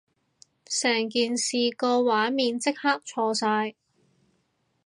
成件事個畫面即刻錯晒